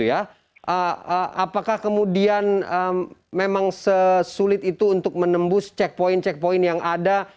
apakah kemudian memang sesulit itu untuk menembus checkpoint checkpoint yang ada